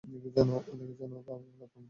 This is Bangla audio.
দেখো ও যেন আবার পালাতে না পারে!